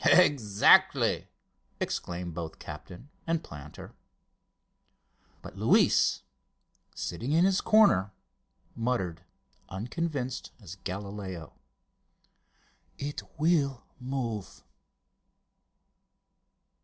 "Exactly!" exclaimed both captain and planter. But Luis, sitting in his corner, muttered, unconvinced as Galileo: "It will move!"